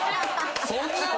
そんなに？